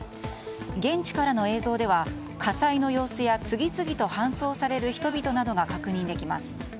現地からの映像では火災の様子や次々と搬送される人々などが確認できます。